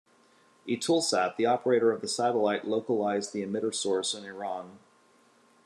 Eutelsat, the operator of the satellite localised the emitter source in Iran.